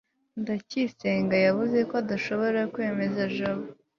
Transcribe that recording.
ndacyayisenga yavuze ko adashobora kwemeza jabo